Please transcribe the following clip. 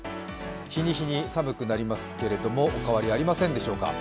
日に日に寒くなりますけれども、お変わりありませんでしょうか。